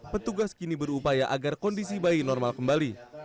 petugas kini berupaya agar kondisi bayi normal kembali